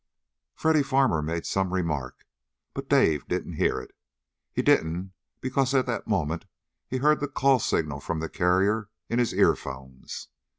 Freddy Farmer made some remark, but Dave didn't hear it. He didn't because at that moment he heard the call signal from the carrier in his earphones.